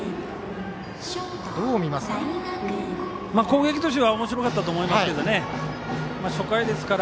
どう見ますか？